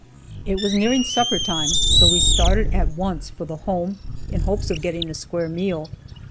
It was nearing supper time, so we started at once for the Home, in hopes of getting a square meal.